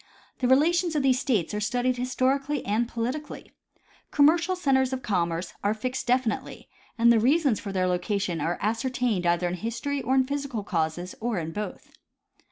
The relations of these States are studied historically and politically. Commercial centers of commerce are fixed definitely, and the reasons for their locations are ascertained either in history or in physical causes, or in both.